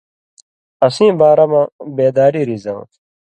اسیں بارہ مہ بېداری رِزؤں